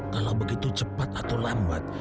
kalau begitu cepat atau lambat